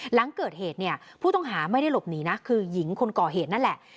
หลังเกิดเหตุเนี่ยผู้ต้องหาไม่ได้หลบหนีนะคือหญิงคนก่อเหตุนั่นแหละ